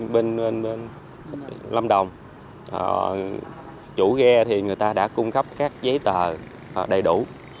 bên lâm đồng chủ ghe thì người ta đã cung cấp các giấy tờ đầy đủ